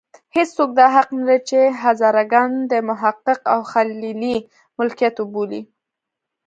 هېڅوک دا حق نه لري چې هزاره ګان د محقق او خلیلي ملکیت وبولي.